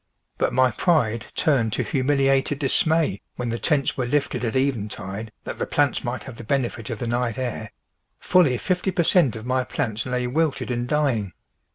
But my pride turned to humiliated dismay when the tents were lifted at eventide that the plants might have the benefit of the night air; fully fifty per cent of my plants lay wilted and dying.